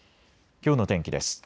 きょうの天気です。